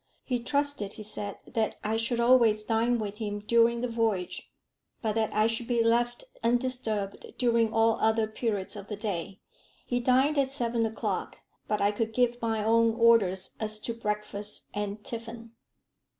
"He trusted," he said, "that I should always dine with him during the voyage, but that I should be left undisturbed during all other periods of the day. He dined at seven o'clock, but I could give my own orders as to breakfast and tiffin.